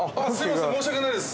申し訳ないです。